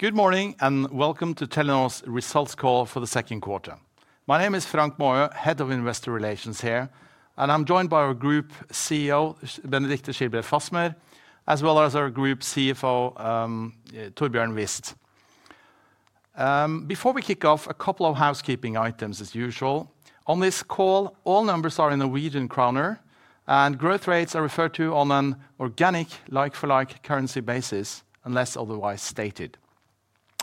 Good morning and welcome to Telenor's results call for the second quarter. My name is Frank Maaø, Head of Investor Relations here, and I'm joined by our Group CEO, Benedicte Schilbred Fasmer, as well as our Group CFO, Torbjørn Wist. Before we kick off, a couple of housekeeping items, as usual. On this call, all numbers are in Norwegian kroner, and growth rates are referred to on an organic, like-for-like currency basis, unless otherwise stated.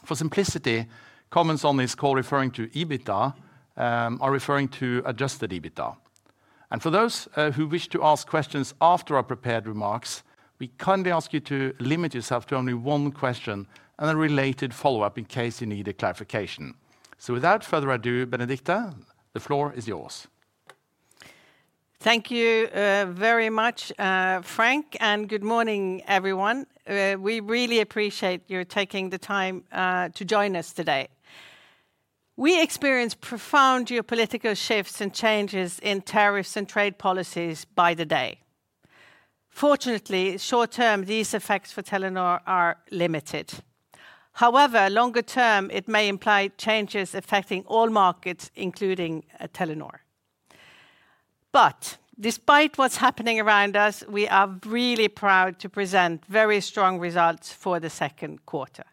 For simplicity, comments on this call referring to EBITDA are referring to adjusted EBITDA, and for those who wish to ask questions after our prepared remarks, we kindly ask you to limit yourself to only one question and a related follow-up in case you need a clarification, so without further ado, Benedicte, the floor is yours. Thank you very much, Frank, and good morning, everyone. We really appreciate you taking the time to join us today. We experience profound geopolitical shifts and changes in tariffs and trade policies by the day. Fortunately, short-term, these effects for Telenor are limited. However, longer-term, it may imply changes affecting all markets, including Telenor. But despite what's happening around us, we are really proud to present very strong results for the second quarter.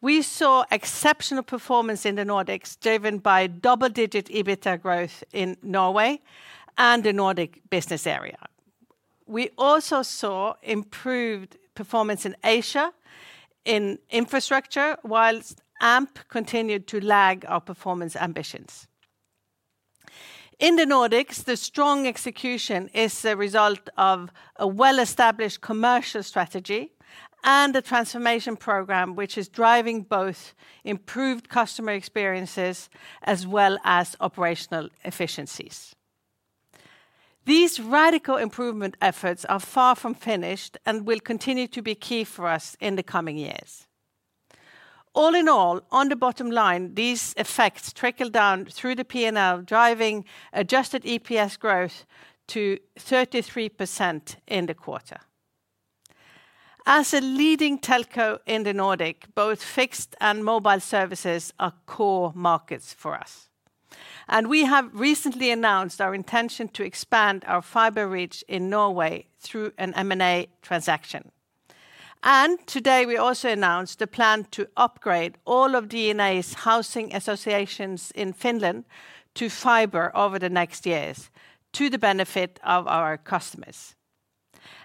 We saw exceptional performance in the Nordics, driven by double-digit EBITDA growth in Norway and the Nordic business area. We also saw improved performance in Asia in infrastructure, while AMP continued to lag our performance ambitions. In the Nordics, the strong execution is the result of a well-established commercial strategy and a transformation program which is driving both improved customer experiences as well as operational efficiencies. These radical improvement efforts are far from finished and will continue to be key for us in the coming years. All in all, on the bottom line, these effects trickle down through the P&L, driving adjusted EPS growth to 33% in the quarter. As a leading telco in the Nordic, both fixed and mobile services are core markets for us. And we have recently announced our intention to expand our fiber reach in Norway through an M&A transaction. And today we also announced the plan to upgrade all of DNA's housing associations in Finland to fiber over the next years, to the benefit of our customers.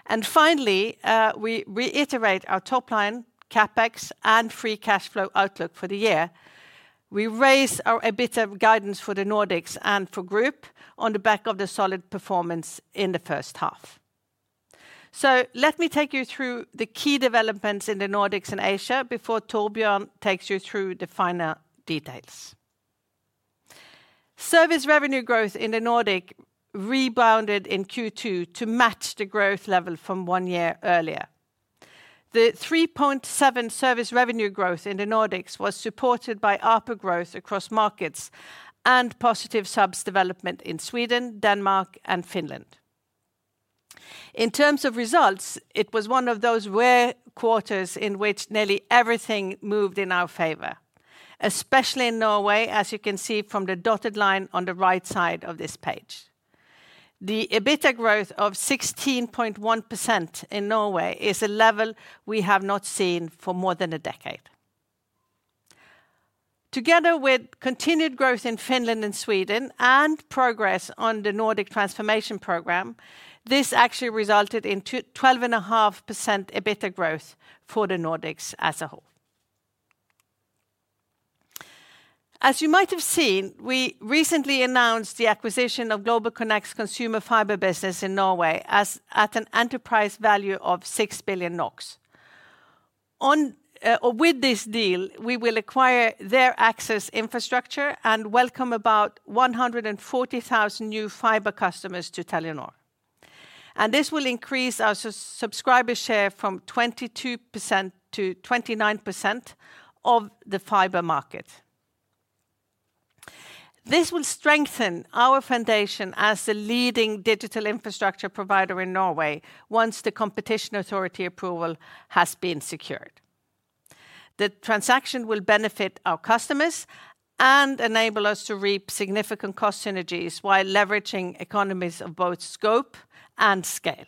And finally, we reiterate our top line, CapEx and free cash flow outlook for the year. We raise our EBITDA guidance for the Nordics and for the Group on the back of the solid performance in the first half. So let me take you through the key developments in the Nordics and Asia before Torbjørn takes you through the finer details. Service revenue growth in the Nordic rebounded in Q2 to match the growth level from one year earlier. The 3.7% service revenue growth in the Nordics was supported by upward growth across markets and positive subs development in Sweden, Denmark, and Finland. In terms of results, it was one of those rare quarters in which nearly everything moved in our favor, especially in Norway, as you can see from the dotted line on the right side of this page. The EBITDA growth of 16.1% in Norway is a level we have not seen for more than a decade. Together with continued growth in Finland and Sweden and progress on the Nordic transformation program, this actually resulted in 12.5% EBITDA growth for the Nordics as a whole. As you might have seen, we recently announced the acquisition of GlobalConnect's Consumer Fiber Business in Norway at an enterprise value of 6 billion NOK. With this deal, we will acquire their access infrastructure and welcome about 140,000 new fiber customers to Telenor. And this will increase our subscriber share from 22% to 29% of the fiber market. This will strengthen our foundation as the leading digital infrastructure provider in Norway once the Competition Authority approval has been secured. The transaction will benefit our customers and enable us to reap significant cost synergies while leveraging economies of both scope and scale.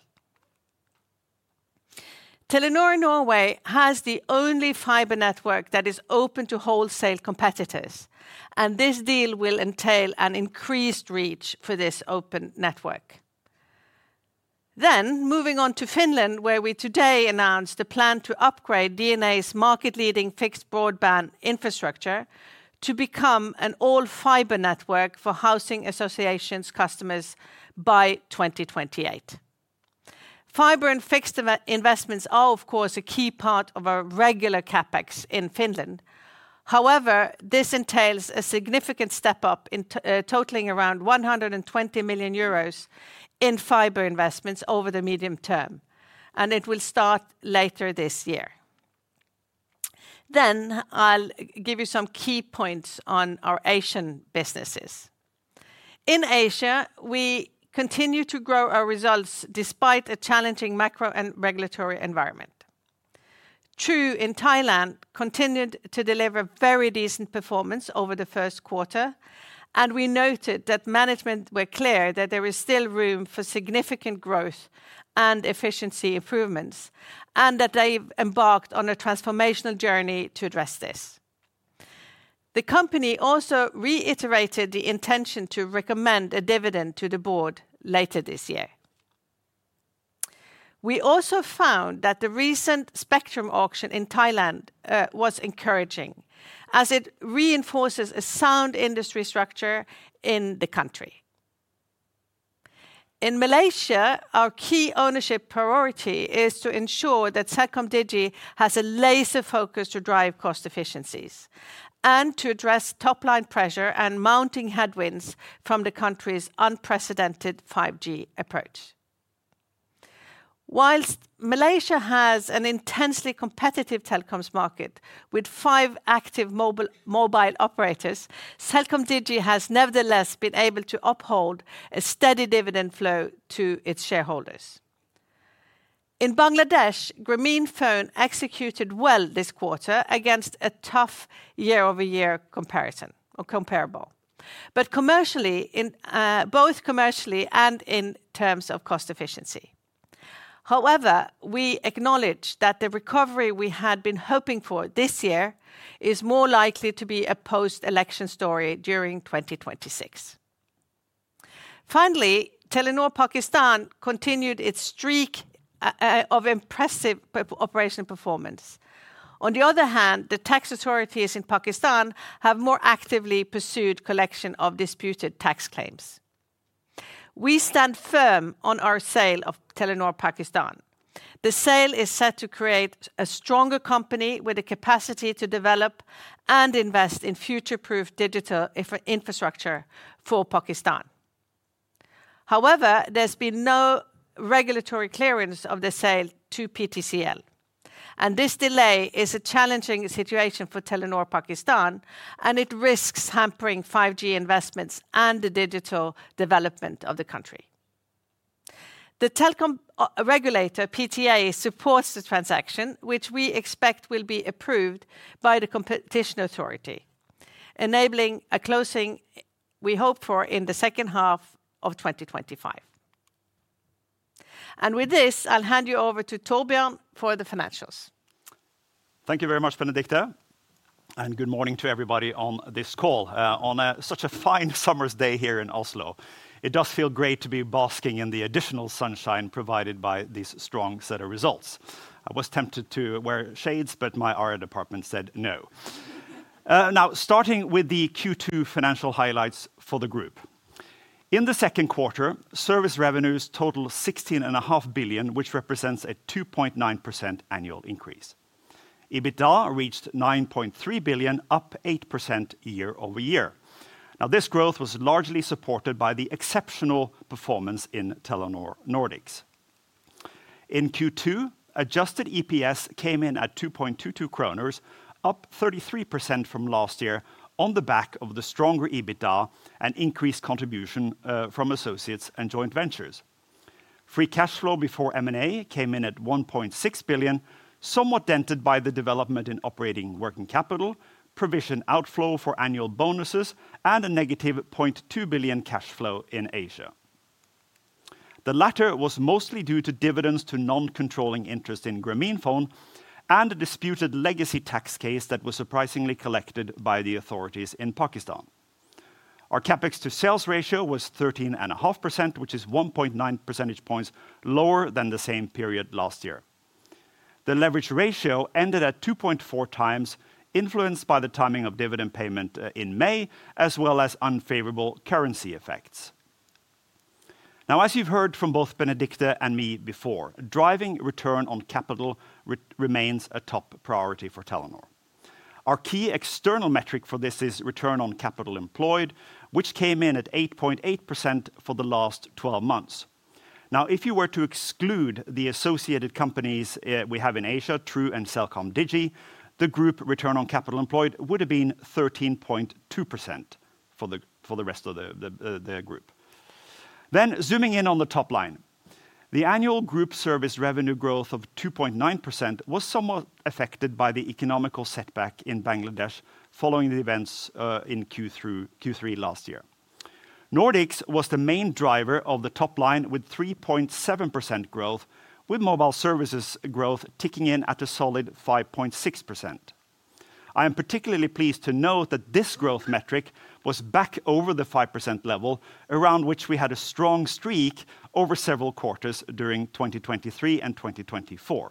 Telenor Norway has the only fiber network that is open to wholesale competitors, and this deal will entail an increased reach for this open network. Then, moving on to Finland, where we today announced the plan to upgrade DNA's market-leading fixed broadband infrastructure to become an all-fiber network for housing associations' customers by 2028. Fiber and fixed investments are, of course, a key part of our regular CapEx in Finland. However, this entails a significant step up, totaling around 120 million euros in fiber investments over the medium term, and it will start later this year. Then I'll give you some key points on our Asian businesses. In Asia, we continue to grow our results despite a challenging macro and regulatory environment. True, in Thailand, we continued to deliver very decent performance over the first quarter, and we noted that management were clear that there is still room for significant growth and efficiency improvements, and that they embarked on a transformational journey to address this. The company also reiterated the intention to recommend a dividend to the board later this year. We also found that the recent spectrum auction in Thailand was encouraging, as it reinforces a sound industry structure in the country. In Malaysia, our key ownership priority is to ensure that CelcomDigi has a laser focus to drive cost efficiencies and to address top-line pressure and mounting headwinds from the country's unprecedented 5G approach. While Malaysia has an intensely competitive telecoms market with five active mobile operators, CelcomDigi has nevertheless been able to uphold a steady dividend flow to its shareholders. In Bangladesh, Grameenphone executed well this quarter against a tough year-over-year comparison or comparable, but both commercially and in terms of cost efficiency. However, we acknowledge that the recovery we had been hoping for this year is more likely to be a post-election story during 2026. Finally, Telenor Pakistan continued its streak of impressive operational performance. On the other hand, the tax authorities in Pakistan have more actively pursued the collection of disputed tax claims. We stand firm on our sale of Telenor Pakistan. The sale is set to create a stronger company with the capacity to develop and invest in future-proof digital infrastructure for Pakistan. However, there's been no regulatory clearance of the sale to PTCL, and this delay is a challenging situation for Telenor Pakistan, and it risks hampering 5G investments and the digital development of the country. The telecom regulator, PTA, supports the transaction, which we expect will be approved by the Competition Authority, enabling a closing we hope for in the second half of 2025. And with this, I'll hand you over to Torbjørn for the financials. Thank you very much, Benedicte, and good morning to everybody on this call on such a fine summer's day here in Oslo. It does feel great to be basking in the additional sunshine provided by these strong set of results. I was tempted to wear shades, but my IR department said no. Now, starting with the Q2 financial highlights for the Group. In the second quarter, service revenues totaled 16.5 billion, which represents a 2.9% annual increase. EBITDA reached 9.3 billion, up 8% year over year. Now, this growth was largely supported by the exceptional performance in Telenor Nordics. In Q2, adjusted EPS came in at 2.22 kroner, up 33% from last year, on the back of the stronger EBITDA and increased contribution from associates and joint ventures. Free cash flow before M&A came in at 1.6 billion, somewhat dented by the development in operating working capital, provision outflow for annual bonuses, and a -0.2 billion cash flow in Asia. The latter was mostly due to dividends to non-controlling interest in Grameenphone and a disputed legacy tax case that was surprisingly collected by the authorities in Pakistan. Our CapEx to sales ratio was 13.5%, which is 1.9 percentage points lower than the same period last year. The leverage ratio ended at 2.4 times, influenced by the timing of dividend payment in May, as well as unfavorable currency effects. Now, as you've heard from both Benedicte and me before, driving return on capital. Remains a top priority for Telenor. Our key external metric for this is return on capital employed, which came in at 8.8% for the last 12 months. Now, if you were to exclude the associated companies we have in Asia, True and CelcomDigi, the Group return on capital employed would have been 13.2% for the rest of the Group. Then, zooming in on the top line, the annual Group service revenue growth of 2.9% was somewhat affected by the economic setback in Bangladesh following the events in Q3 last year. Nordics was the main driver of the top line with 3.7% growth, with mobile services growth ticking in at a solid 5.6%. I am particularly pleased to note that this growth metric was back over the 5% level, around which we had a strong streak over several quarters during 2023 and 2024.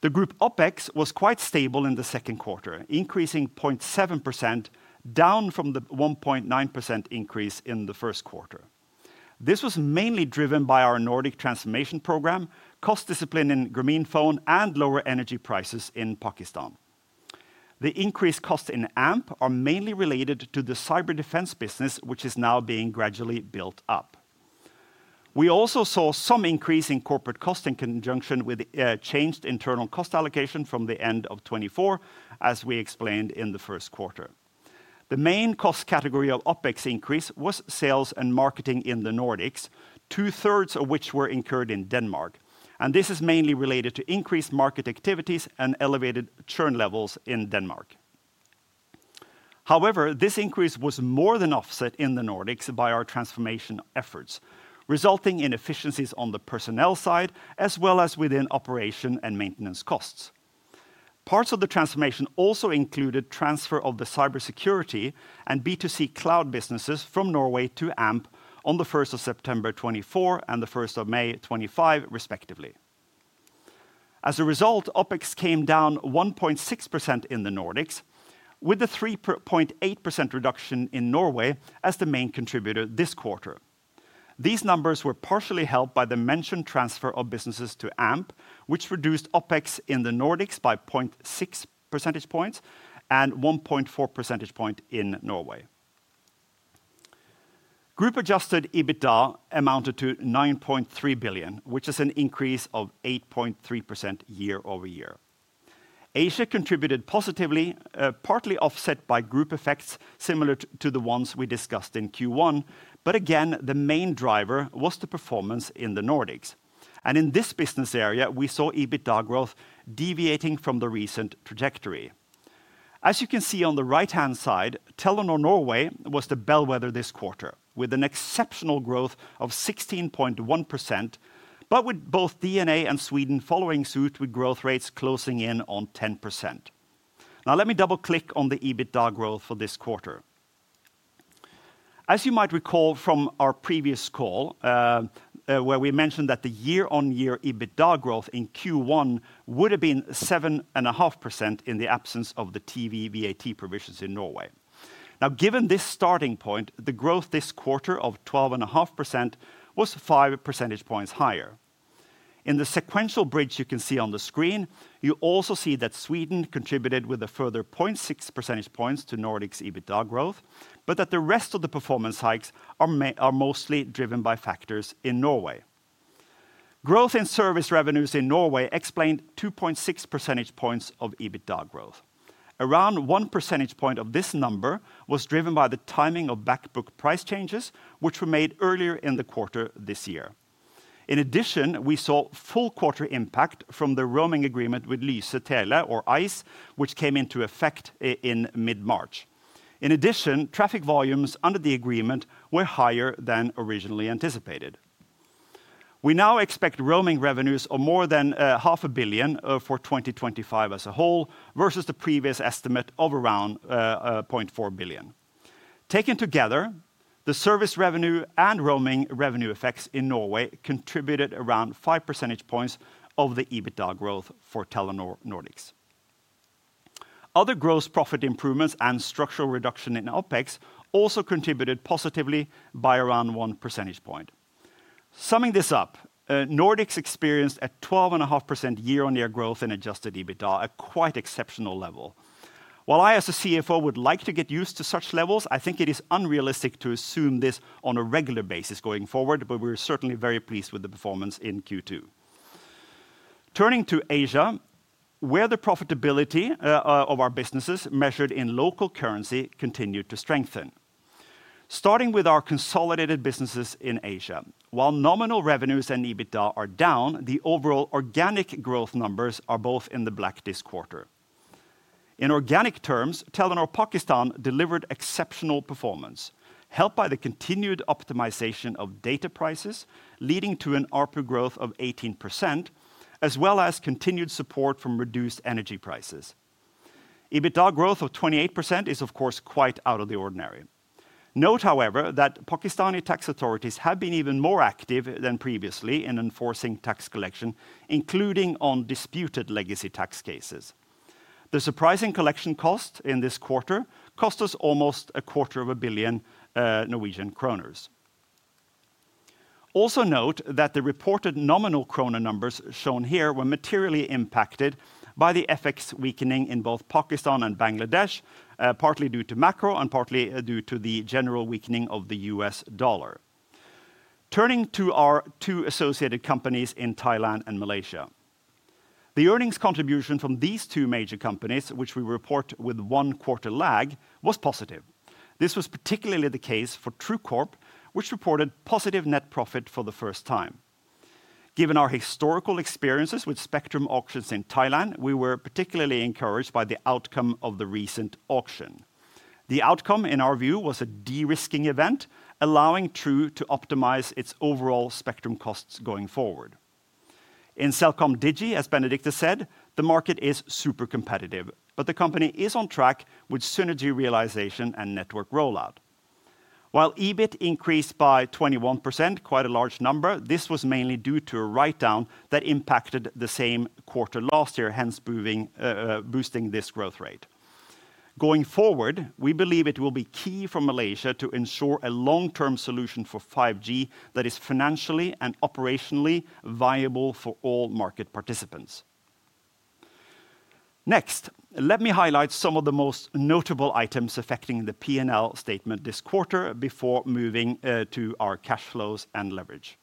The Group OPEX was quite stable in the second quarter, increasing 0.7%, down from the 1.9% increase in the first quarter. This was mainly driven by our Nordic transformation program, cost discipline in Grameenphone, and lower energy prices in Pakistan. The increased costs in AMP are mainly related to the cyber defense business, which is now being gradually built up. We also saw some increase in corporate costs in conjunction with changed internal cost allocation from the end of 2024, as we explained in the first quarter. The main cost category of OPEX increase was sales and marketing in the Nordics, two-thirds of which were incurred in Denmark. This is mainly related to increased market activities and elevated churn levels in Denmark. However, this increase was more than offset in the Nordics by our transformation efforts, resulting in efficiencies on the personnel side as well as within operation and maintenance costs. Parts of the transformation also included transfer of the cybersecurity and B2C cloud businesses from Norway to AMP on the 1st of September 2024 and the 1st of May 2025, respectively. As a result, OPEX came down 1.6% in the Nordics, with a 3.8% reduction in Norway as the main contributor this quarter. These numbers were partially helped by the mentioned transfer of businesses to AMP, which reduced OPEX in the Nordics by 0.6 percentage points and 1.4 percentage points in Norway. Group adjusted EBITDA amounted to 9.3 billion, which is an increase of 8.3% year over year. Asia contributed positively, partly offset by Group effects similar to the ones we discussed in Q1, but again, the main driver was the performance in the Nordics. And in this business area, we saw EBITDA growth deviating from the recent trajectory. As you can see on the right-hand side, Telenor Norway was the bellwether this quarter, with an exceptional growth of 16.1%, but with both DNA and Sweden following suit with growth rates closing in on 10%. Now, let me double-click on the EBITDA growth for this quarter. As you might recall from our previous call, where we mentioned that the year-on-year EBITDA growth in Q1 would have been 7.5% in the absence of the TV VAT provisions in Norway. Now, given this starting point, the growth this quarter of 12.5% was 5 percentage points higher. In the sequential bridge you can see on the screen, you also see that Sweden contributed with a further 0.6 percentage points to Nordic's EBITDA growth, but that the rest of the performance hikes are mostly driven by factors in Norway. Growth in service revenues in Norway explained 2.6 percentage points of EBITDA growth. Around 1 percentage point of this number was driven by the timing of backbook price changes, which were made earlier in the quarter this year. In addition, we saw full quarter impact from the roaming agreement with Lyse Tele or ICE, which came into effect in mid-March. In addition, traffic volumes under the agreement were higher than originally anticipated. We now expect roaming revenues of more than 0.5 billion for 2025 as a whole versus the previous estimate of around 0.4 billion. Taken together, the service revenue and roaming revenue effects in Norway contributed around 5 percentage points of the EBITDA growth for Telenor Nordics. Other gross profit improvements and structural reduction in OPEX also contributed positively by around 1 percentage point. Summing this up, Nordics experienced a 12.5% year-on-year growth in adjusted EBITDA at quite exceptional levels. While I, as a CFO, would like to get used to such levels, I think it is unrealistic to assume this on a regular basis going forward, but we're certainly very pleased with the performance in Q2. Turning to Asia, where the profitability of our businesses measured in local currency continued to strengthen. Starting with our consolidated businesses in Asia, while nominal revenues and EBITDA are down, the overall organic growth numbers are both in the black this quarter. In organic terms, Telenor Pakistan delivered exceptional performance, helped by the continued optimization of data prices, leading to an ARPU growth of 18%, as well as continued support from reduced energy prices. EBITDA growth of 28% is, of course, quite out of the ordinary. Note, however, that Pakistani tax authorities have been even more active than previously in enforcing tax collection, including on disputed legacy tax cases. The surprising collection cost in this quarter cost us almost 250 million Norwegian kroner. Also note that the reported nominal kroner numbers shown here were materially impacted by the FX weakening in both Pakistan and Bangladesh, partly due to macro and partly due to the general weakening of the US dollar. Turning to our two associated companies in Thailand and Malaysia. The earnings contribution from these two major companies, which we report with one-quarter lag, was positive. This was particularly the case for True Corporation, which reported positive net profit for the first time. Given our historical experiences with spectrum auctions in Thailand, we were particularly encouraged by the outcome of the recent auction. The outcome, in our view, was a de-risking event, allowing True to optimize its overall spectrum costs going forward. In CelcomDigi, as Benedicte said, the market is super competitive, but the company is on track with synergy realization and network rollout. While EBIT increased by 21%, quite a large number, this was mainly due to a write-down that impacted the same quarter last year, hence boosting this growth rate. Going forward, we believe it will be key for Malaysia to ensure a long-term solution for 5G that is financially and operationally viable for all market participants. Next, let me highlight some of the most notable items affecting the P&L statement this quarter before moving to our cash flows and leverage.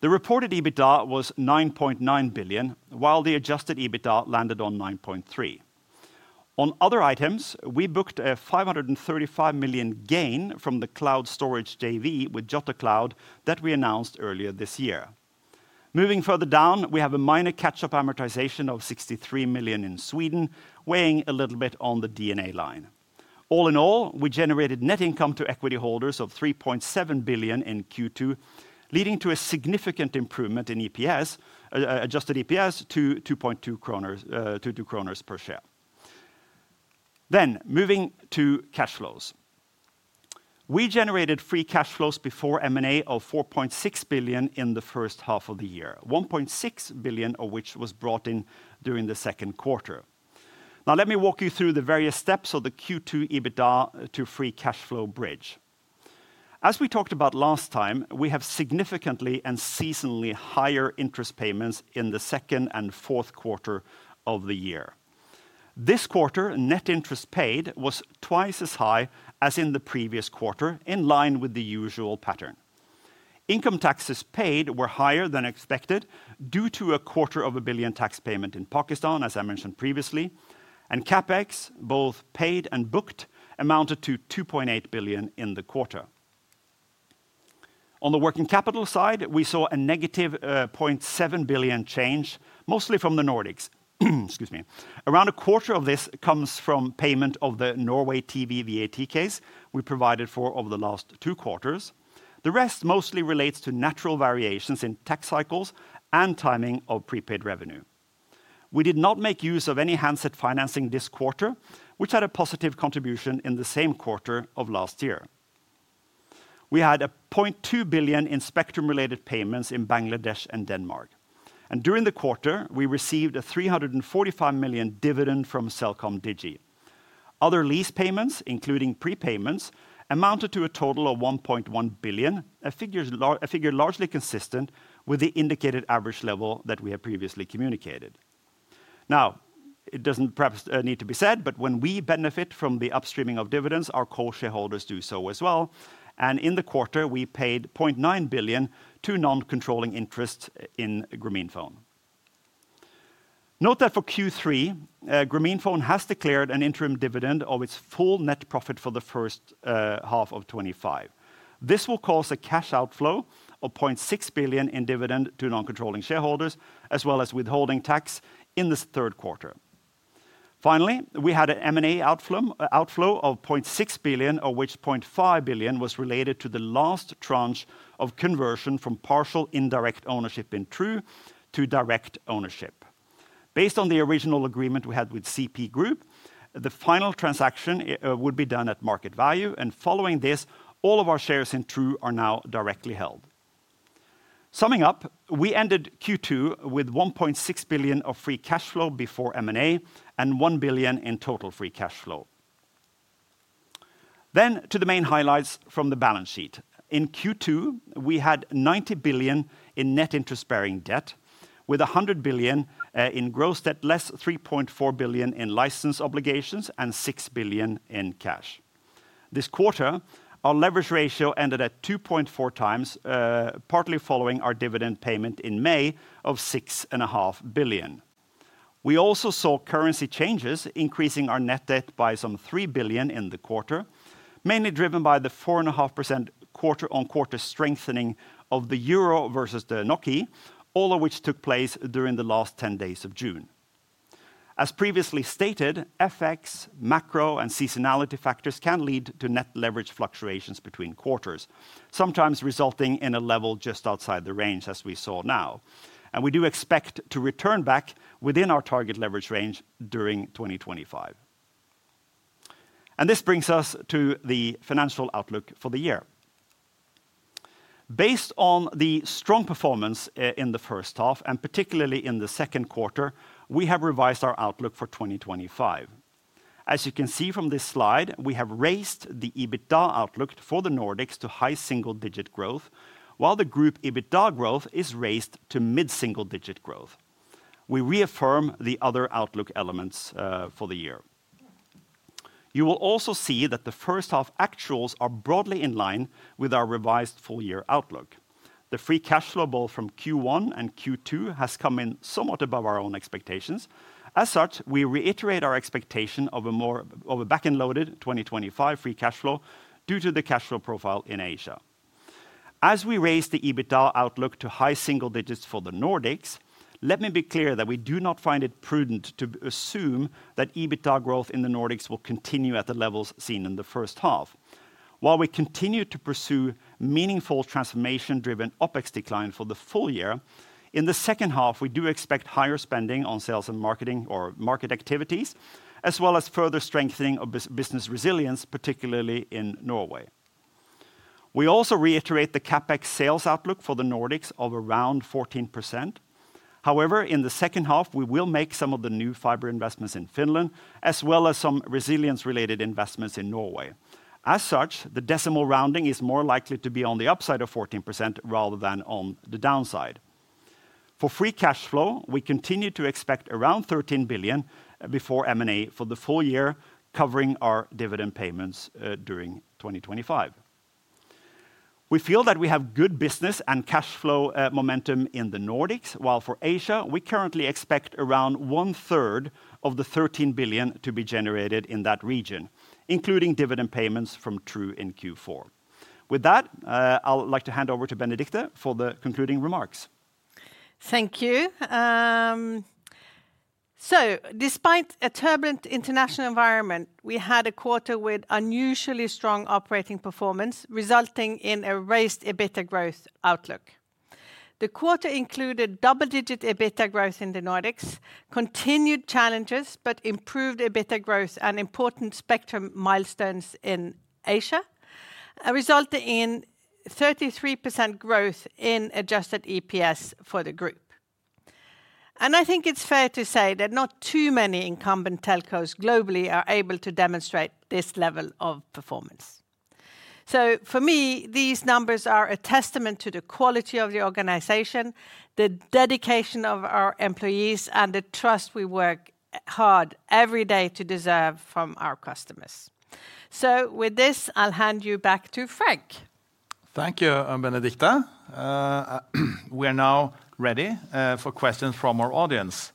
The reported EBITDA was 9.9 billion, while the adjusted EBITDA landed on 9.3 billion. On other items, we booked a 535 million gain from the cloud storage JV with JotaCloud that we announced earlier this year. Moving further down, we have a minor catch-up amortization of 63 million in Sweden, weighing a little bit on the DNA line. All in all, we generated net income to equity holders of 3.7 billion in Q2, leading to a significant improvement in adjusted EPS to 2.2 kroner per share. Then, moving to cash flows. We generated free cash flows before M&A of 4.6 billion in the first half of the year, 1.6 billion of which was brought in during the second quarter. Now, let me walk you through the various steps of the Q2 EBITDA to free cash flow bridge. As we talked about last time, we have significantly and seasonally higher interest payments in the second and fourth quarter of the year. This quarter, net interest paid was twice as high as in the previous quarter, in line with the usual pattern. Income taxes paid were higher than expected due to 0.25 billion tax payment in Pakistan, as I mentioned previously, and CapEx, both paid and booked, amounted to 2.8 billion in the quarter. On the working capital side, we saw a negative 0.7 billion change, mostly from the Nordics. Excuse me. Around a quarter of this comes from payment of the Norway TV VAT case we provided for over the last two quarters. The rest mostly relates to natural variations in tax cycles and timing of prepaid revenue. We did not make use of any handset financing this quarter, which had a positive contribution in the same quarter of last year. We had 0.2 billion in spectrum-related payments in Bangladesh and Denmark, and during the quarter, we received a 345 million dividend from CelcomDigi. Other lease payments, including prepayments, amounted to a total of 1.1 billion, a figure largely consistent with the indicated average level that we had previously communicated. Now, it doesn't perhaps need to be said, but when we benefit from the upstreaming of dividends, our core shareholders do so as well, and in the quarter, we paid 0.9 billion to non-controlling interest in Grameenphone. Note that for Q3, Grameenphone has declared an interim dividend of its full net profit for the first half of 2025. This will cause a cash outflow of 0.6 billion in dividend to non-controlling shareholders, as well as withholding tax in this third quarter. Finally, we had an M&A outflow of 0.6 billion, of which 0.5 billion was related to the last tranche of conversion from partial indirect ownership in True to direct ownership. Based on the original agreement we had with CP Group, the final transaction would be done at market value, and following this, all of our shares in True are now directly held. Summing up, we ended Q2 with 1.6 billion of free cash flow before M&A and 1 billion in total free cash flow, then to the main highlights from the balance sheet. In Q2, we had 90 billion in net interest-bearing debt, with 100 billion in gross debt, less 3.4 billion in license obligations, and 6 billion in cash. This quarter, our leverage ratio ended at 2.4 times, partly following our dividend payment in May of 6.5 billion. We also saw currency changes, increasing our net debt by some 3 billion in the quarter, mainly driven by the 4.5% quarter-on-quarter strengthening of the euro versus the NOK, all of which took place during the last 10 days of June. As previously stated, FX, macro, and seasonality factors can lead to net leverage fluctuations between quarters, sometimes resulting in a level just outside the range as we saw now. We do expect to return back within our target leverage range during 2025. This brings us to the financial outlook for the year. Based on the strong performance in the first half, and particularly in the second quarter, we have revised our outlook for 2025. As you can see from this slide, we have raised the EBITDA outlook for the Nordics to high single-digit growth, while the group EBITDA growth is raised to mid-single-digit growth. We reaffirm the other outlook elements for the year. You will also see that the first half actuals are broadly in line with our revised full-year outlook. The free cash flow both from Q1 and Q2 has come in somewhat above our own expectations. As such, we reiterate our expectation of a more back-and-loaded 2025 free cash flow due to the cash flow profile in Asia. As we raise the EBITDA outlook to high single digits for the Nordics, let me be clear that we do not find it prudent to assume that EBITDA growth in the Nordics will continue at the levels seen in the first half. While we continue to pursue meaningful transformation-driven OPEX decline for the full year, in the second half, we do expect higher spending on sales and marketing or market activities, as well as further strengthening of business resilience, particularly in Norway. We also reiterate the CapEx sales outlook for the Nordics of around 14%. However, in the second half, we will make some of the new fiber investments in Finland, as well as some resilience-related investments in Norway. As such, the decimal rounding is more likely to be on the upside of 14% rather than on the downside. For free cash flow, we continue to expect around 13 billion before M&A for the full year, covering our dividend payments during 2025. We feel that we have good business and cash flow momentum in the Nordics, while for Asia, we currently expect around one-third of the 13 billion to be generated in that region, including dividend payments from True in Q4. With that, I'd like to hand over to Benedicte for the concluding remarks. Thank you. Despite a turbulent international environment, we had a quarter with unusually strong operating performance, resulting in a raised EBITDA growth outlook. The quarter included double-digit EBITDA growth in the Nordics, continued challenges, but improved EBITDA growth and important spectrum milestones in Asia, resulting in 33% growth in adjusted EPS for the group. And I think it's fair to say that not too many incumbent telcos globally are able to demonstrate this level of performance. So, for me, these numbers are a testament to the quality of the organization, the dedication of our employees, and the trust we work hard every day to deserve from our customers. So, with this, I'll hand you back to Frank. Thank you, Benedicte. We are now ready for questions from our audience.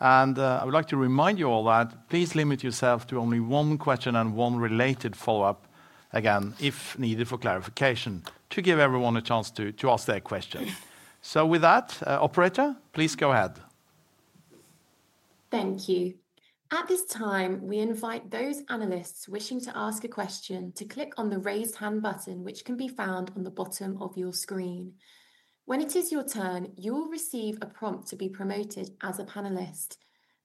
And I would like to remind you all that please limit yourself to only one question and one related follow-up again, if needed for clarification, to give everyone a chance to ask their question. So, with that, operator, please go ahead. Thank you. At this time, we invite those analysts wishing to ask a question to click on the raised hand button, which can be found on the bottom of your screen. When it is your turn, you will receive a prompt to be promoted as a panelist.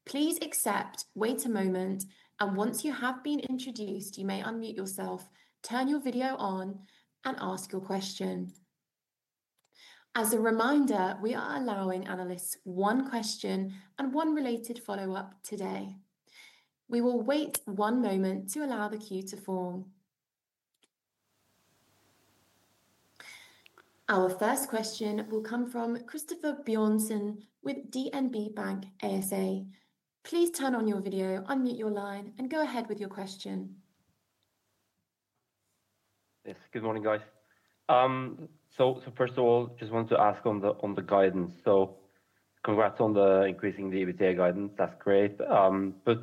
Please accept, wait a moment, and once you have been introduced, you may unmute yourself, turn your video on, and ask your question. As a reminder, we are allowing analysts one question and one related follow-up today. We will wait one moment to allow the queue to form. Our first question will come from Christoffer Bjørnsen with DNB Bank ASA. Please turn on your video, unmute your line, and go ahead with your question. Yes, good morning, guys. So, first of all, I just want to ask on the guidance. So, congrats on the increasing the EBITDA guidance. That's great. But,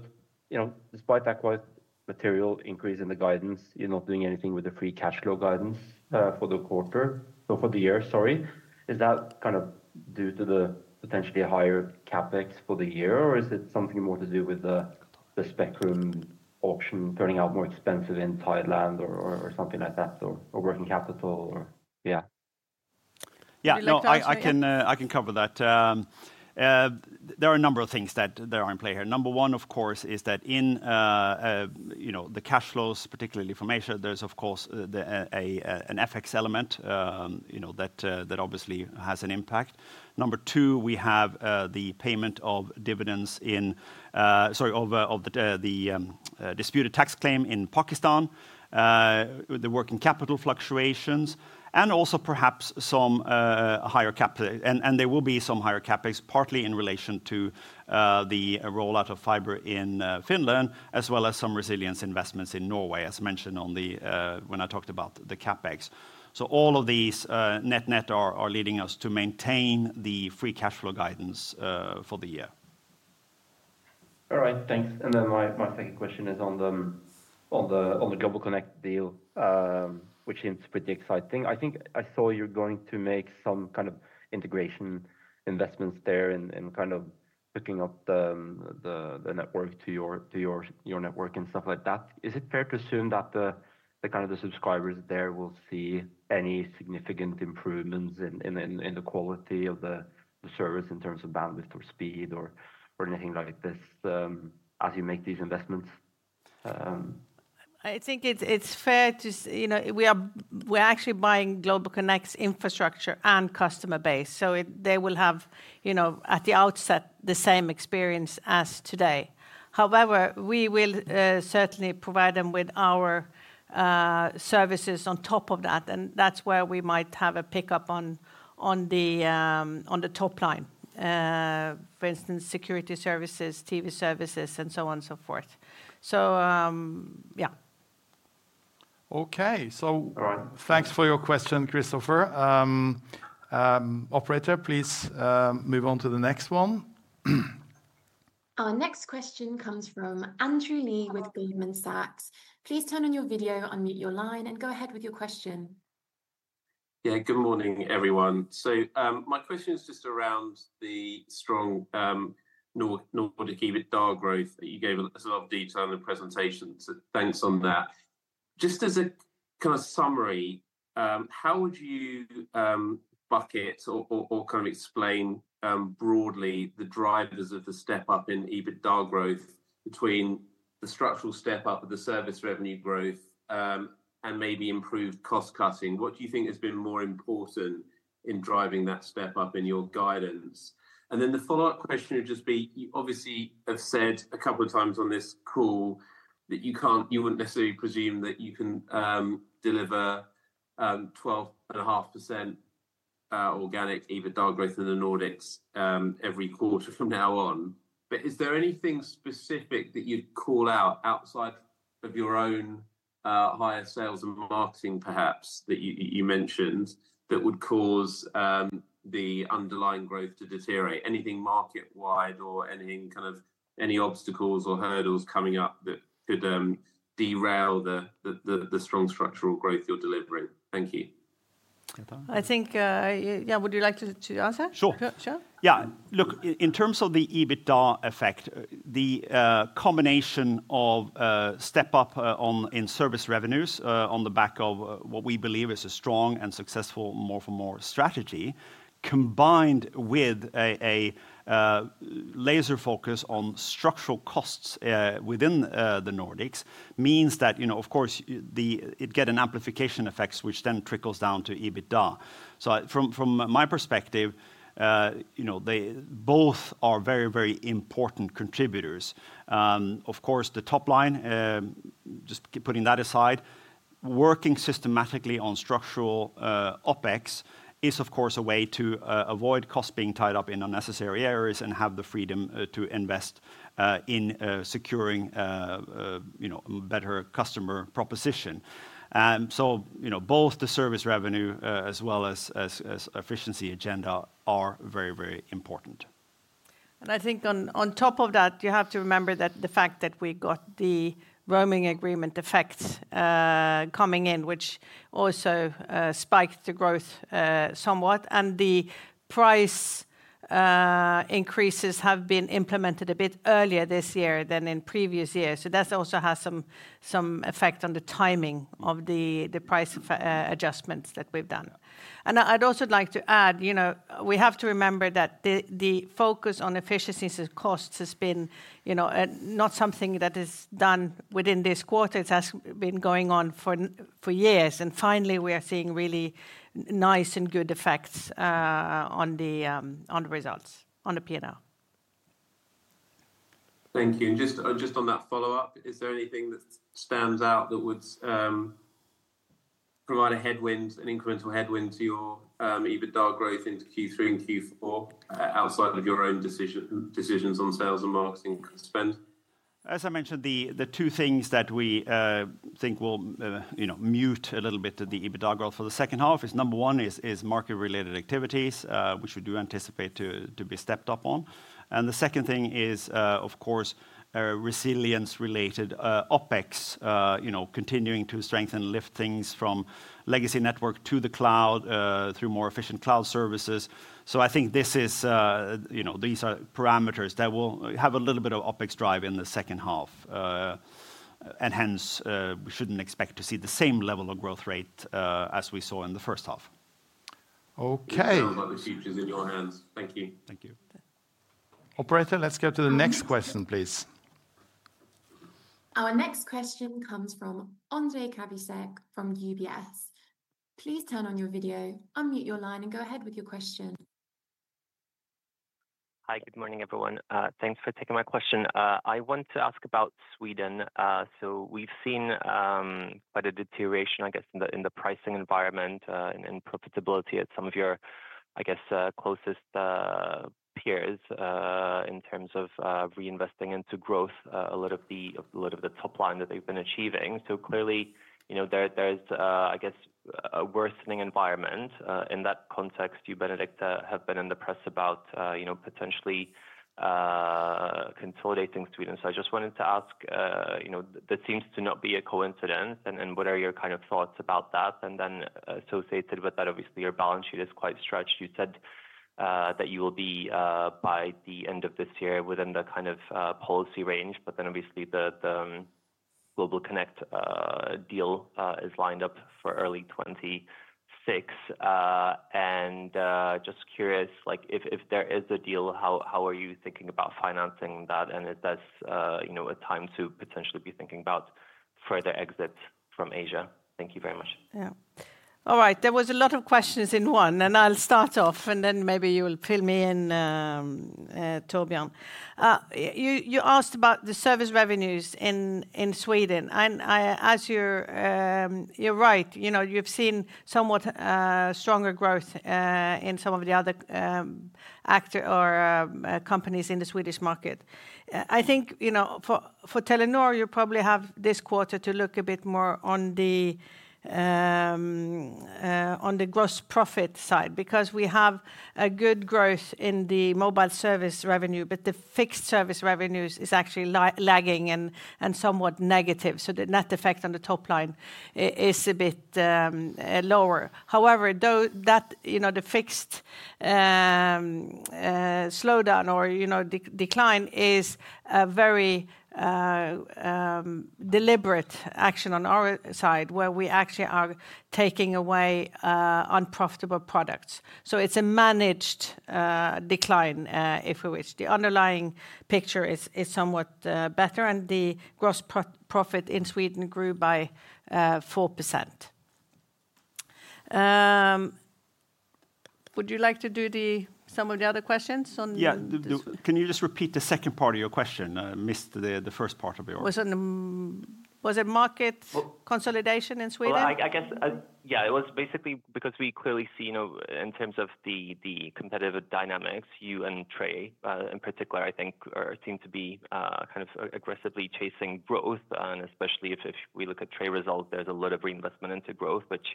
you know, despite that quite material increase in the guidance, you're not doing anything with the free cash flow guidance for the quarter, or for the year, sorry. Is that kind of due to the potentially higher CapEx for the year, or is it something more to do with the spectrum option turning out more expensive in Thailand or something like that, or working capital? Or, yeah. Yeah, I can cover that. There are a number of things that are in play here. Number one, of course, is that in the cash flows, particularly from Asia, there's of course an FX element. That obviously has an impact. Number two, we have the payment of dividends in. Sorry, of the disputed tax claim in Pakistan. The working capital fluctuations, and also perhaps some higher CapEx. And there will be some higher CapEx, partly in relation to the rollout of fiber in Finland, as well as some resilience investments in Norway, as mentioned when I talked about the CapEx. So, all of these net-net are leading us to maintain the free cash flow guidance for the year. All right, thanks. And then my second question is on the GlobalConnect deal. Which seems pretty exciting. I think I saw you're going to make some kind of integration investments there and kind of hooking up the network to your network and stuff like that. Is it fair to assume that the kind of the subscribers there will see any significant improvements in the quality of the service in terms of bandwidth or speed or anything like this as you make these investments? I think it's fair to say we're actually buying GlobalConnect's infrastructure and customer base. So, they will have, at the outset, the same experience as today. However, we will certainly provide them with our services on top of that. And that's where we might have a pickup on the top line. For instance, security services, TV services, and so on and so forth. So, yeah. Okay, so thanks for your question, Christopher. Operator, please move on to the next one. Our next question comes from Andrew Lee with Goldman Sachs. Please turn on your video, unmute your line, and go ahead with your question. Yeah, good morning, everyone. So, my question is just around the strong Nordic EBITDA growth that you gave us a lot of detail in the presentation. So, thanks on that. Just as a kind of summary, how would you bucket or kind of explain broadly the drivers of the step-up in EBITDA growth between the structural step-up of the service revenue growth and maybe improved cost-cutting? What do you think has been more important in driving that step-up in your guidance? And then the follow-up question would just be, you obviously have said a couple of times on this call that you wouldn't necessarily presume that you can deliver 12.5% organic EBITDA growth in the Nordics every quarter from now on. But is there anything specific that you'd call out outside of your own higher sales and marketing, perhaps, that you mentioned that would cause the underlying growth to deteriorate? Anything market-wide or any kind of any obstacles or hurdles coming up that could derail the strong structural growth you're delivering? Thank you. I think, yeah, would you like to answer? Sure. Sure. Yeah, look, in terms of the EBITDA effect, the combination of step-up in service revenues on the back of what we believe is a strong and successful more-for-more strategy, combined with a laser focus on structural costs within the Nordics, means that, of course, it gets an amplification effect, which then trickles down to EBITDA. So, from my perspective, both are very, very important contributors. Of course, the top line, just putting that aside, working systematically on structural OPEX is, of course, a way to avoid costs being tied up in unnecessary areas and have the freedom to invest in securing a better customer proposition. So, both the service revenue as well as efficiency agenda are very, very important. And I think on top of that, you have to remember that the fact that we got the roaming agreement effect coming in, which also spiked the growth somewhat, and the price increases have been implemented a bit earlier this year than in previous years. So, that also has some effect on the timing of the price adjustments that we've done. And I'd also like to add, we have to remember that the focus on efficiencies and costs has been not something that is done within this quarter. It has been going on for years. And finally, we are seeing really nice and good effects on the results, on the P&R. Thank you. And just on that follow-up, is there anything that stands out that would provide a headwind, an incremental headwind to your EBITDA growth into Q3 and Q4 outside of your own decisions on sales and marketing spend? As I mentioned, the two things that we think will mute a little bit to the EBITDA growth for the second half is number one is market-related activities, which we do anticipate to be stepped up on. And the second thing is, of course, resilience-related OPEX, continuing to strengthen and lift things from legacy network to the cloud through more efficient cloud services. So, I think these are parameters that will have a little bit of OPEX drive in the second half. And hence, we shouldn't expect to see the same level of growth rate as we saw in the first half. Okay. Thank you for all the questions in your hands. Thank you. Thank you. Operator, let's go to the next question, please. Our next question comes from Ondrej Cabejšek from UBS. Please turn on your video, unmute your line, and go ahead with your question. Hi, good morning, everyone. Thanks for taking my question. I want to ask about Sweden. So, we've seen quite a deterioration, I guess, in the pricing environment and profitability at some of your, I guess, closest peers in terms of reinvesting into growth, a lot of the top line that they've been achieving. So, clearly there is, I guess, a worsening environment. In that context, you, Benedicte, have been in the press about potentially consolidating Sweden. So, I just wanted to ask that seems to not be a coincidence. And what are your kind of thoughts about that? And then associated with that, obviously, your balance sheet is quite stretched. You said that you will be, by the end of this year, within the kind of policy range, but then obviously the GlobalConnect deal is lined up for early 2026. And just curious, if there is a deal, how are you thinking about financing that? And is this a time to potentially be thinking about further exits from Asia? Thank you very much. Yeah. All right, there was a lot of questions in one, and I'll start off, and then maybe you will fill me in, Torbjørn. You asked about the service revenues in Sweden. And as you're right, you've seen somewhat stronger growth in some of the other actors or companies in the Swedish market. I think for Telenor, you probably have this quarter to look a bit more on the gross profit side, because we have a good growth in the mobile service revenue, but the fixed service revenues is actually lagging and somewhat negative. So, that effect on the top line is a bit lower. However, the fixed slowdown or decline is a very deliberate action on our side, where we actually are taking away unprofitable products. So, it's a managed decline, if we wish. The underlying picture is somewhat better, and the gross profit in Sweden grew by 4%. Would you like to do some of the other questions? Yeah, can you just repeat the second part of your question? I missed the first part of yours. Was it market consolidation in Sweden? Well, I guess, yeah, it was basically because we clearly see, in terms of the competitive dynamics, you and Tre, in particular, I think, seem to be kind of aggressively chasing growth. And especially if we look at Tre's result, there's a lot of reinvestment into growth, which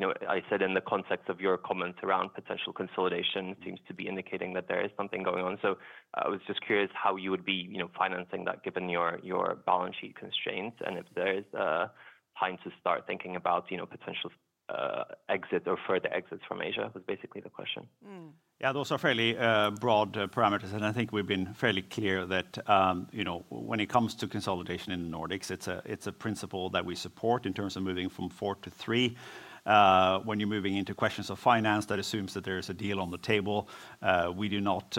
I said in the context of your comments around potential consolidation seems to be indicating that there is something going on. So, I was just curious how you would be financing that given your balance sheet constraints and if there is time to start thinking about potential exit or further exits from Asia was basically the question. Yeah, those are fairly broad parameters, and I think we've been fairly clear that when it comes to consolidation in the Nordics, it's a principle that we support in terms of moving from four to three. When you're moving into questions of finance, that assumes that there is a deal on the table. We do not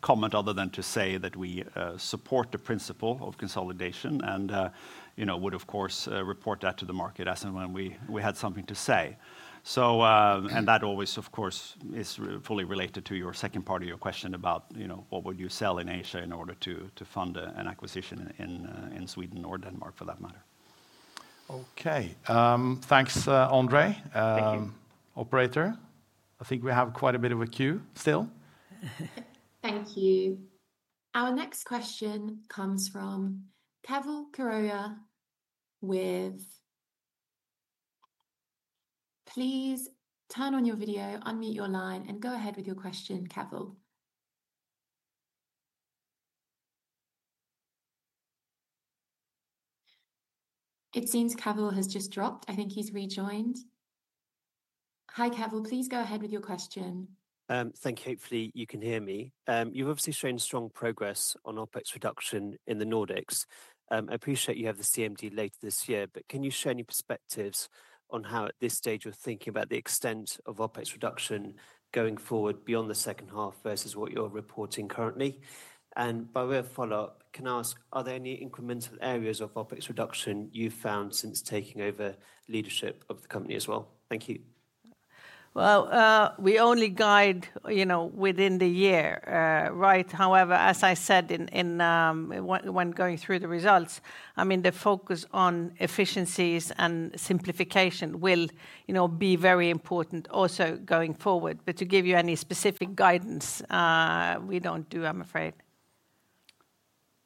comment other than to say that we support the principle of consolidation and would, of course, report that to the market as and when we had something to say. And that always, of course, is fully related to your second part of your question about what would you sell in Asia in order to fund an acquisition in Sweden or Denmark for that matter. Okay, thanks, Ondrej. Thank you. Operator, I think we have quite a bit of a queue still. Thank you. Our next question comes from Keval Khiroya. With. Please turn on your video, unmute your line, and go ahead with your question, Keval. It seems Keval has just dropped. I think he's rejoined. Hi, Keval, please go ahead with your question. Thank you. Hopefully, you can hear me. You've obviously shown strong progress on OPEX reduction in the Nordics. I appreciate you have the CMD late this year, but can you share any perspectives on how, at this stage, you're thinking about the extent of OPEX reduction going forward beyond the second half versus what you're reporting currently? And by way of follow-up, can I ask, are there any incremental areas of OPEX reduction you've found since taking over leadership of the company as well? Thank you. We only guide within the year, right? However, as I said. When going through the results, I mean, the focus on efficiencies and simplification will be very important also going forward. But to give you any specific guidance. We don't do, I'm afraid.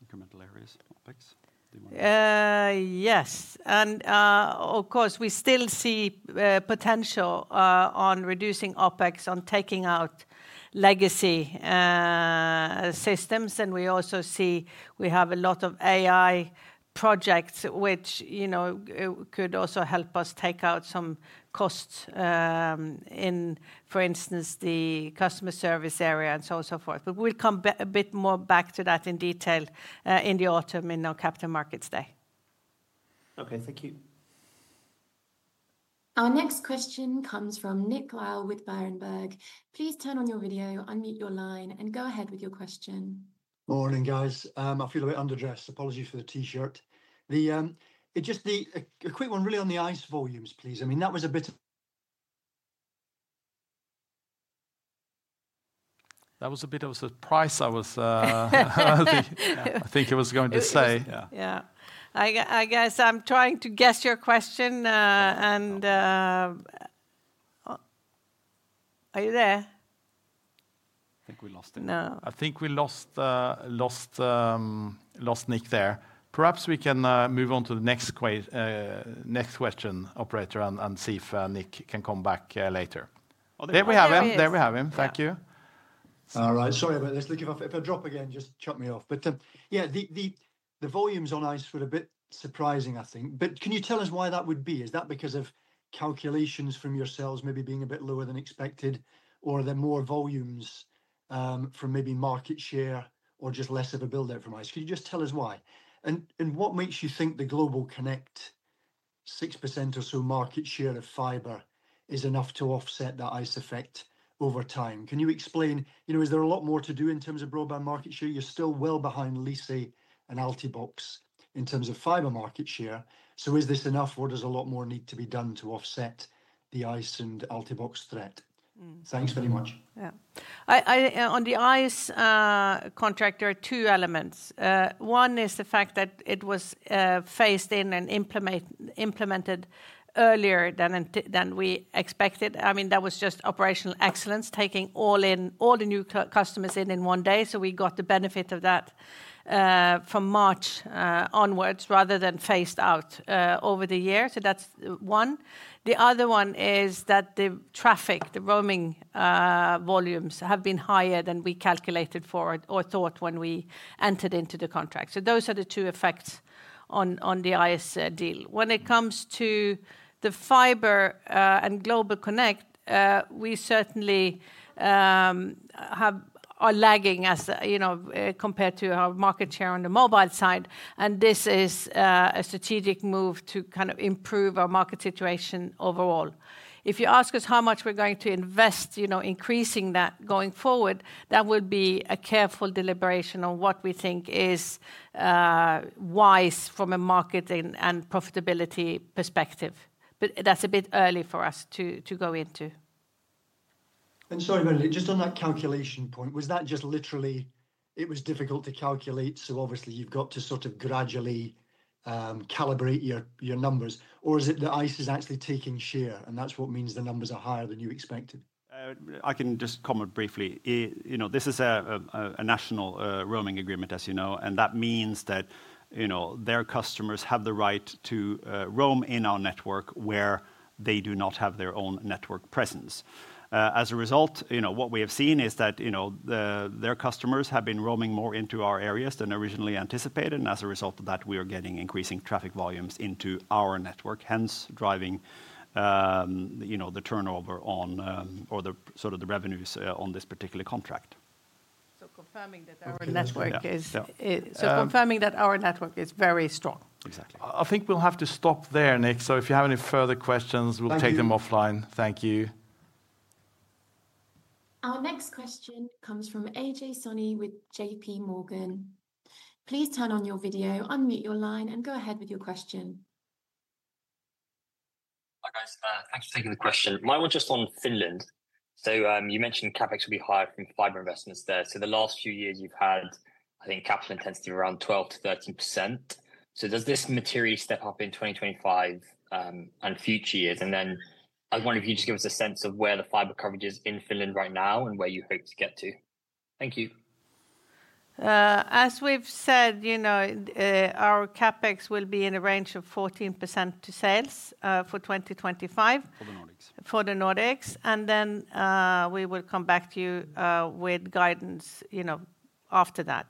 Incremental areas, OPEX? Yes. And. Of course, we still see potential on reducing OPEX, on taking out. Legacy. Systems. And we also see we have a lot of AI projects, which. Could also help us take out some costs. In, for instance, the customer service area and so on and so forth. But we'll come a bit more back to that in detail in the autumn in our Capital Markets Day. Okay, thank you. Our next question comes from Nick Lyall with Berenberg. Please turn on your video, unmute your line, and go ahead with your question. Morning, guys. I feel a bit underdressed. Apology for the T-shirt. Just a quick one, really, on the ICE volumes, please. I mean, that was a bit of. That was a bit of a surprise, I was. I think I was going to say. Yeah. I guess I'm trying to guess your question. And. Are you there? I think we lost him. No. I think we lost. Nick there. Perhaps we can move on to the next. Question, Operator, and see if Nick can come back later. There we have him. There we have him. Thank you. All right. Sorry, but let's look if I drop again, just chop me off. But yeah, the volumes on ICE were a bit surprising, I think. But can you tell us why that would be? Is that because of calculations from your sales maybe being a bit lower than expected, or are there more volumes. From maybe market share, or just less of a build-out from ICE? Can you just tell us why? And what makes you think the GlobalConnect. 6% or so market share of fiber is enough to offset that ICE effect over time? Can you explain, is there a lot more to do in terms of broadband market share? You're still well behind Lyse and Altibox in terms of fiber market share. So is this enough, or does a lot more need to be done to offset the ICE and Altibox threat? Thanks very much. Yeah. On the ICE. Contract, two elements. One is the fact that it was. Phased in and implemented earlier than we expected. I mean, that was just operational excellence, taking all the new customers in in one day. So we got the benefit of that. From March onwards rather than phased in over the year. So that's one. The other one is that the traffic, the roaming. Volumes have been higher than we calculated for or thought when we entered into the contract. So those are the two effects on the ICE deal. When it comes to the fiber and GlobalConnect, we certainly. Are lagging compared to our market share on the mobile side. And this is a strategic move to kind of improve our market situation overall. If you ask us how much we're going to invest increasing that going forward, that will be a careful deliberation on what we think is wise from a market and profitability perspective. But that's a bit early for us to go into. And sorry, Benedicte, just on that calculation point, was that just literally it was difficult to calculate? So obviously, you've got to sort of gradually calibrate your numbers. Or is it that ICE is actually taking share, and that's what means the numbers are higher than you expected? I can just comment briefly. This is a national roaming agreement, as you know, and that means that their customers have the right to roam in our network where they do not have their own network presence. As a result, what we have seen is that their customers have been roaming more into our areas than originally anticipated. And as a result of that, we are getting increasing traffic volumes into our network, hence driving the turnover or the sort of the revenues on this particular contract. So confirming that our network is very strong. Exactly. I think we'll have to stop there, Nick. So if you have any further questions, we'll take them offline. Thank you. Our next question comes from Ajay Soni with J.P. Morgan. Please turn on your video, unmute your line, and go ahead with your question. Hi, guys. Thanks for taking the question. My one's just on Finland. So you mentioned CapEx will be higher from fiber investments there. So the last few years, you've had, I think, capital intensity of around 12%-13%. So does this materially step up in 2025 and future years? And then I wonder if you'd just give us a sense of where the fiber coverage is in Finland right now and where you hope to get to. Thank you. As we've said, our CapEx will be in a range of 14% to sales for 2025. For the Nordics. For the Nordics. And then we will come back to you with guidance after that.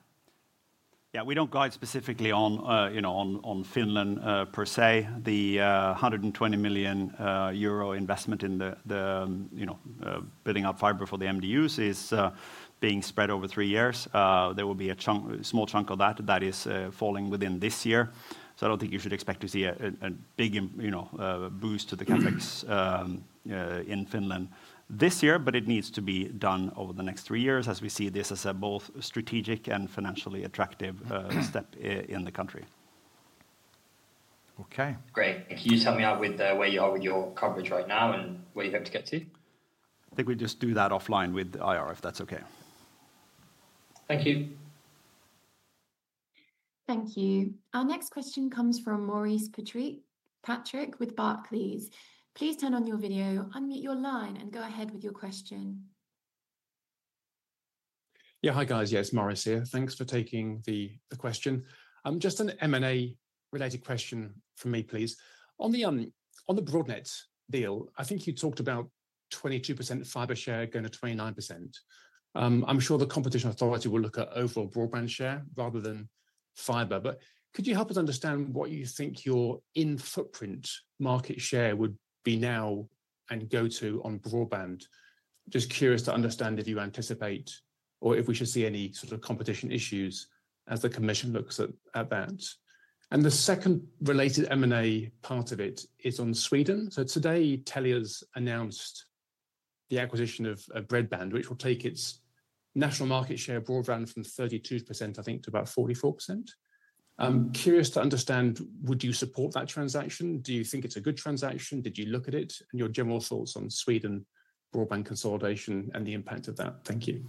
Yeah, we don't guide specifically on Finland per se. The 120 million euro investment in the building up fiber for the MDUs is being spread over three years. There will be a small chunk of that that is falling within this year. So I don't think you should expect to see a big boost to the CapEx in Finland this year, but it needs to be done over the next three years as we see this as a both strategic and financially attractive step in the country. Okay. Great. Can you just help me out with where you are with your coverage right now and where you hope to get to? I think we just do that offline with IR, if that's okay. Thank you. Thank you. Our next question comes from Maurice Patrick with Barclays. Please turn on your video, unmute your line, and go ahead with your question. Yeah, hi guys. Yes, Maurice here. Thanks for taking the question. Just an M&A-related question from me, please. On the Broadnet deal, I think you talked about 22% fiber share going to 29%. I'm sure the competition authority will look at overall broadband share rather than fiber. But could you help us understand what you think your in-footprint market share would be now and go to on broadband? Just curious to understand if you anticipate or if we should see any sort of competition issues as the commission looks at that. And the second related M&A part of it is on Sweden. So today, Telia announced the acquisition of Bredband2, which will take its national market share broadband from 32%, I think, to about 44%. I'm curious to understand, would you support that transaction? Do you think it's a good transaction? Did you look at it and your general thoughts on Sweden broadband consolidation and the impact of that? Thank you.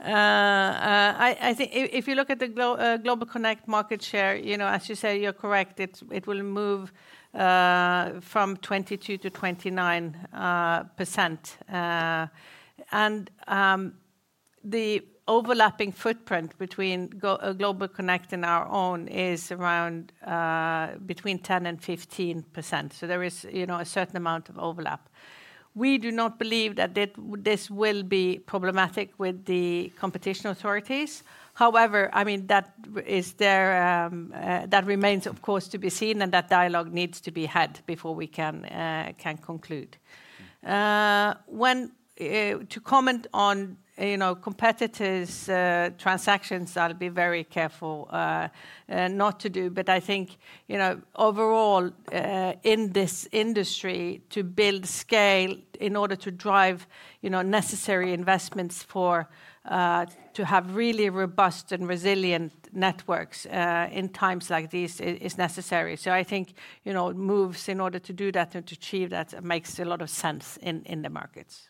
I think if you look at the GlobalConnect market share, as you say, you're correct, it will move from 22% to 29%. And the overlapping footprint between GlobalConnect and our own is around 10%-15%. So there is a certain amount of overlap. We do not believe that this will be problematic with the competition authorities. However, I mean, that remains, of course, to be seen, and that dialogue needs to be had before we can conclude. To comment on competitors' transactions, I'll be very careful not to do, but I think overall in this industry, to build scale in order to drive necessary investments to have really robust and resilient networks in times like these is necessary. So I think moves in order to do that and to achieve that makes a lot of sense in the markets.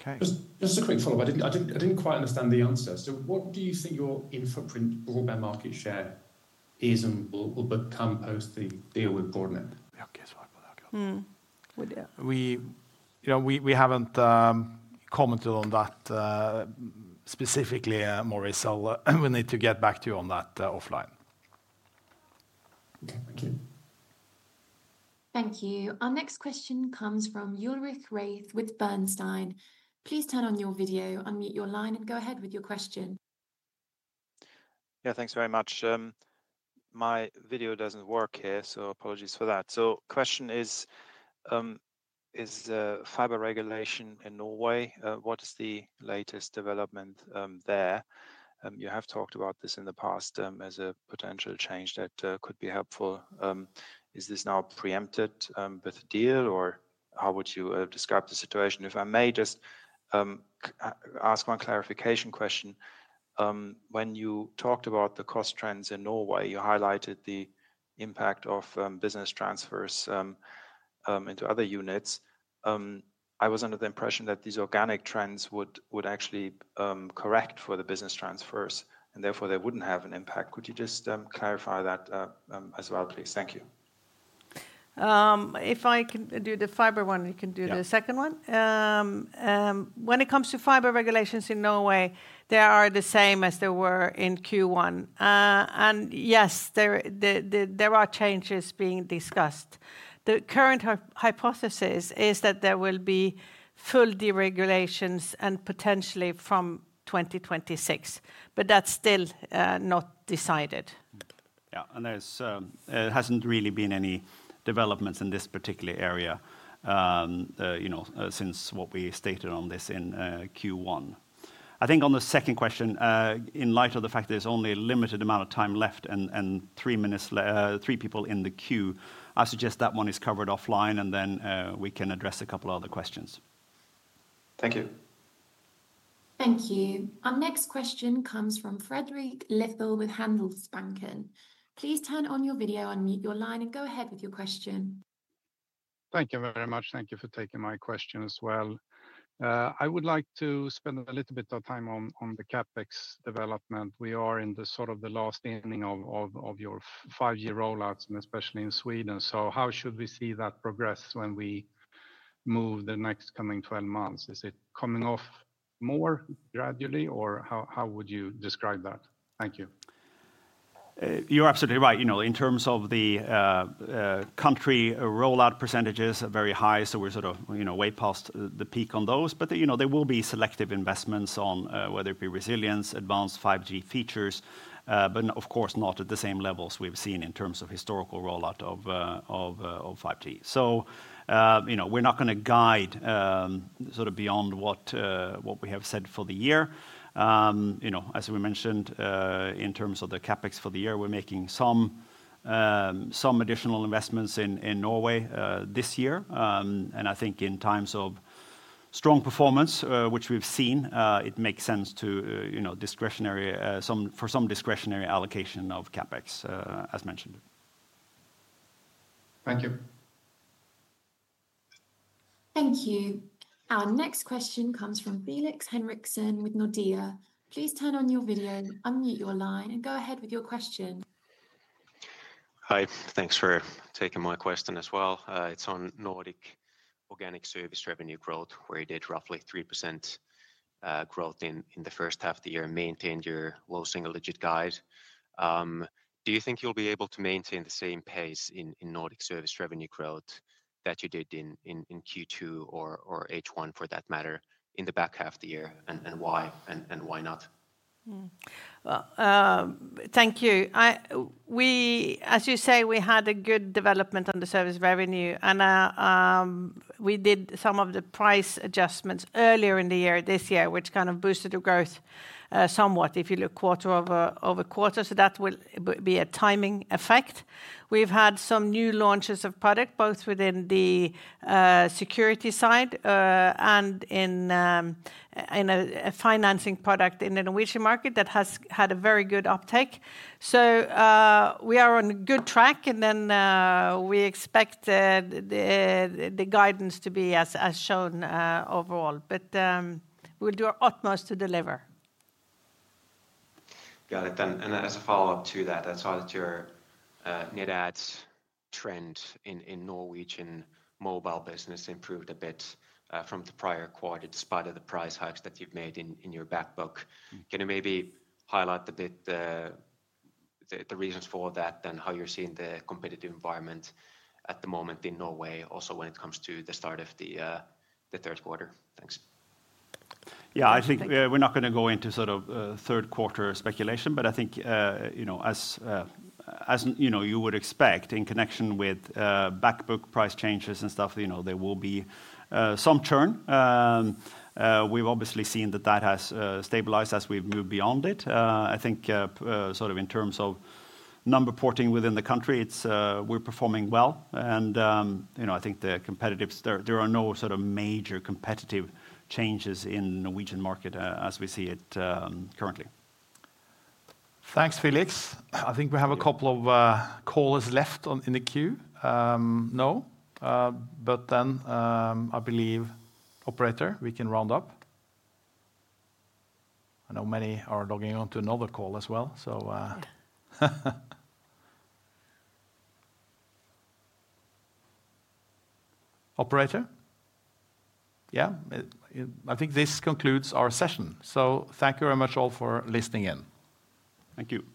Okay. Just a quick follow-up. I didn't quite understand the answer. So what do you think your in-footprint broadband market share is and will become post the deal with Broadnet? We haven't commented on that specifically, Maurice. We'll need to get back to you on that offline. Thank you. Thank you. Our next question comes from Ulrich Rathe with Bernstein. Please turn on your video, unmute your line, and go ahead with your question. Yeah, thanks very much. My video doesn't work here, so apologies for that. So the question is, fiber regulation in Norway, what is the latest development there? You have talked about this in the past as a potential change that could be helpful. Is this now preempted with a deal, or how would you describe the situation? If I may just ask one clarification question. When you talked about the cost trends in Norway, you highlighted the impact of business transfers into other units. I was under the impression that these organic trends would actually correct for the business transfers, and therefore they wouldn't have an impact. Could you just clarify that as well, please? Thank you. If I can do the fiber one, you can do the second one. When it comes to fiber regulations in Norway, they are the same as they were in Q1. And yes. There are changes being discussed. The current hypothesis is that there will be full deregulations potentially from 2026, but that's still not decided. Yeah, and there hasn't really been any developments in this particular area since what we stated on this in Q1. I think on the second question, in light of the fact there's only a limited amount of time left and three people in the queue, I suggest that one is covered offline, and then we can address a couple of other questions. Thank you. Thank you. Our next question comes from Frederik Leth with Handelsbanken. Please turn on your video, unmute your line, and go ahead with your question. Thank you very much. Thank you for taking my question as well. I would like to spend a little bit of time on the CapEx development. We are in sort of the last inning of your five-year rollouts, and especially in Sweden. So how should we see that progress when we move the next coming 12 months? Is it coming off more gradually, or how would you describe that? Thank you. You're absolutely right. In terms of the country rollout percentages, very high. So we're sort of way past the peak on those. But there will be selective investments on whether it be resilience, advanced 5G features, but of course not at the same levels we've seen in terms of historical rollout of 5G. So we're not going to guide sort of beyond what we have said for the year. As we mentioned, in terms of the CapEx for the year, we're making some additional investments in Norway this year. And I think in times of strong performance, which we've seen, it makes sense for some discretionary allocation of CapEx, as mentioned. Thank you. Thank you. Our next question comes from Felix Henriksson with Nordea. Please turn on your video, unmute your line, and go ahead with your question. Hi, thanks for taking my question as well. It's on Nordic organic service revenue growth, where you did roughly 3% growth in the first half of the year and maintained your low single-digit guide. Do you think you'll be able to maintain the same pace in Nordic service revenue growth that you did in Q2 or H1 for that matter in the back half of the year, and why not? Well, thank you. As you say, we had a good development on the service revenue, and we did some of the price adjustments earlier in the year this year, which kind of boosted the growth somewhat if you look quarter over quarter. So that will be a timing effect. We've had some new launches of product, both within the security side and in. A financing product in the Norwegian market that has had a very good uptake. So we are on good track, and then we expect the guidance to be as shown overall. But we'll do our utmost to deliver. Got it. And as a follow-up to that, I saw that your net adds trend in Norwegian mobile business improved a bit from the prior quarter, despite the price hikes that you've made in your backbook. Can you maybe highlight a bit the reasons for that and how you're seeing the competitive environment at the moment in Norway, also when it comes to the start of the third quarter? Thanks. Yeah, I think we're not going to go into sort of third quarter speculation, but I think as you would expect, in connection with backbook price changes and stuff, there will be some churn. We've obviously seen that that has stabilized as we've moved beyond it. I think sort of in terms of number porting within the country, we're performing well. And I think there are no sort of major competitive changes in the Norwegian market as we see it currently. Thanks, Felix. I think we have a couple of callers left in the queue. No. But then I believe, Operator, we can round up. I know many are logging on to another call as well. So, Operator. Yeah, I think this concludes our session. So thank you very much all for listening in. Thank you.